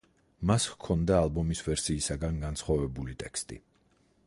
მას ჰქონდა ალბომის ვერსიისგან განსხვავებული ტექსტი.